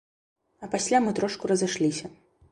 А пасля мы трошку разышліся.